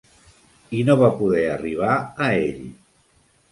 I no va poder arribar a ell.